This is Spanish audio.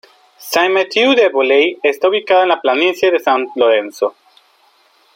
Saint-Mathieu-de-Beloeil está ubicado en la planicie de San Lorenzo.